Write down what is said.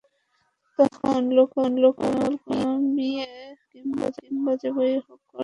তখন লোকবল কমিয়েই হোক কিংবা যেভাবেই হোক, খরচ কমাতেই হবে বোর্ডকে।